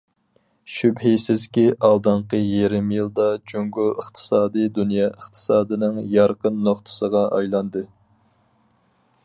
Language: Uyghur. شۈبھىسىزكى، ئالدىنقى يېرىم يىلدا جۇڭگو ئىقتىسادى دۇنيا ئىقتىسادىنىڭ يارقىن نۇقتىسىغا ئايلاندى.